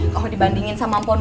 kalo dibandingin sama ampun